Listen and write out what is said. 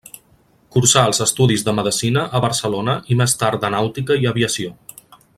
Cursà els estudis de medicina a Barcelona i més tard de nàutica i aviació.